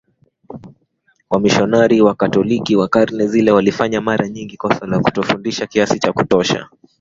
Wamisionari Wakatoliki wa karne zile walifanya mara nyingi kosa la kutofundisha kiasi cha kutosha